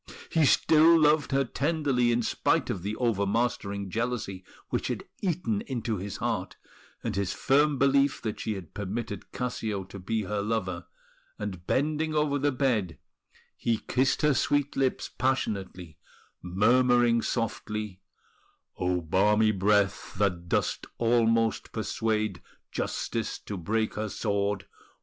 He still loved her tenderly, in spite of the over mastering jealousy which had eaten into his heart, and his firm belief that she had permitted Cassio to be her lover; and bending over the bed he kissed her sweet lips passionately, murmuring softly: "O balmy breath, that doth almost persuade Justice to break her sword!